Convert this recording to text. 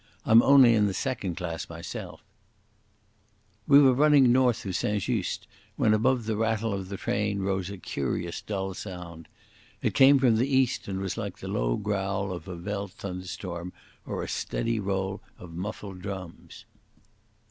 I'm only in the second class myself after all." We were running north of St Just when above the rattle of the train rose a curious dull sound. It came from the east, and was like the low growl of a veld thunderstorm, or a steady roll of muffled drums.